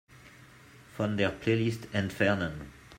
Von der Playlist entfernen.